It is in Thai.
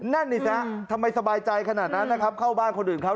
นั่นดิซะทำไมสบายใจขนาดนั้นนะครับเข้าบ้านคนอื่นเขา